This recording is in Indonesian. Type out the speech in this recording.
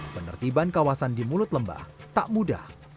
penertiban kawasan di mulut lembah tak mudah